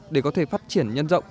để có thể phát triển nhân rộng